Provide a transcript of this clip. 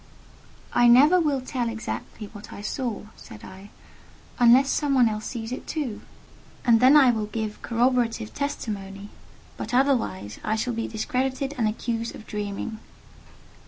"I never will tell exactly what I saw," said I, "unless some one else sees it too, and then I will give corroborative testimony; but otherwise, I shall be discredited and accused of dreaming."